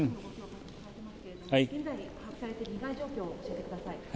現在、把握されている被害状況を教えてください。